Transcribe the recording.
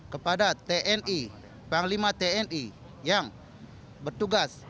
kepada tni panglima tni yang bertugas